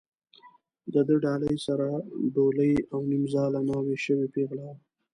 د ده ډالۍ سره ډولۍ او نیمزاله ناوې شوې پېغله وه.